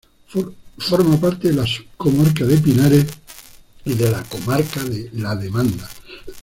Forma parte de la subcomarca de Pinares y de la comarca de La Demanda.